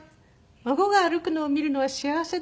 「孫が歩くのを見るのは幸せだね」。